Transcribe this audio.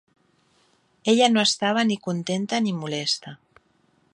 Ella no estava ni contenta ni molesta.